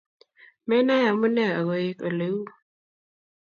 Menae amune aigoek oliu